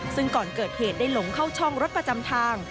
ซึ่งก่อนเกิดเหตุได้หลงเข้าช่องรถประจำทาง